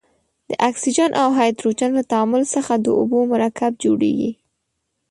د اکسیجن او هایدروجن له تعامل څخه د اوبو مرکب جوړیږي.